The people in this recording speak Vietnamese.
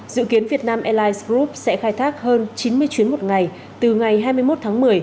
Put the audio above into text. dự kiến việt nam airlines group sẽ khai thác hơn chín mươi chuyến một ngày từ ngày hai mươi một tháng một mươi